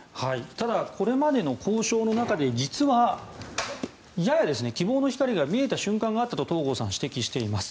ただこれまでの交渉の中で実はやや希望の光が見えた瞬間があったと東郷さんは指摘しています。